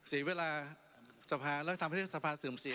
เสียเวลาสภาแล้วทำให้สภาเสื่อมเสีย